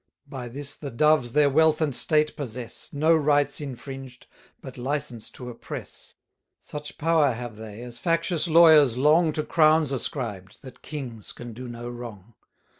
By this the Doves their wealth and state possess, No rights infringed, but licence to oppress: Such power have they as factious lawyers long To crowns ascribed, that Kings can do no wrong.